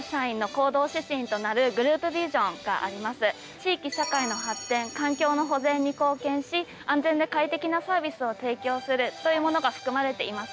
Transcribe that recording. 地域・社会の発展環境の保全に貢献し安全で快適なサービスを提供するというものが含まれています。